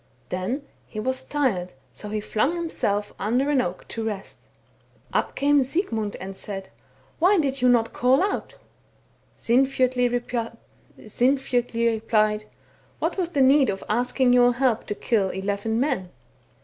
Then he was tii ed, so he flung himself under an oak to rest. Up came Sigmund and said, * Why did you not call out ?' Sinfjotli replied, ' What was the need of asking your help to kill eleven men